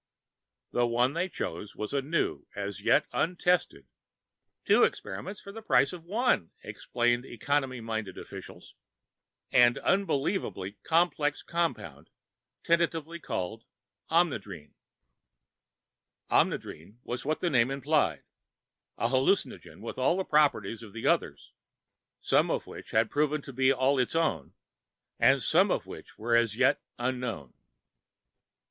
The one they chose was a new, as yet untested ("Two experiments for the price of one," explained economy minded officials) and unbelievably complex compound tentatively called Omnidrene. Omnidrene was what the name implied a hallucinogen with all the properties of the others, some which had proven to be all its own, and some which were as yet unknown.